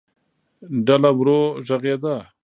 ډله ورو غږېده.